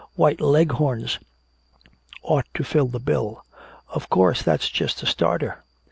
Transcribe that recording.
White Leghorns ought to fill the bill. Of course that's just a starter.